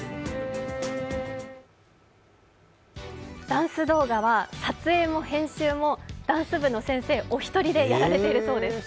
ダンス動画は撮影も編集もダンス部の先生お一人でやられているそうです。